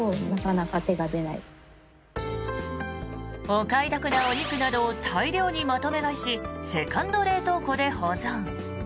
お買い得なお肉などを大量にまとめ買いしセカンド冷凍庫で保存。